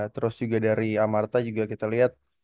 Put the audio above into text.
terus juga dari amar tahang juga kita lihat